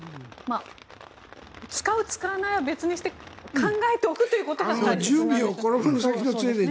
使う、使わないは別にして考えておくということが大切なんですね。